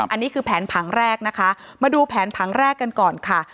อันนี้คือแผนผังแรกนะคะมาดูแผนผังแรกกันก่อนค่ะ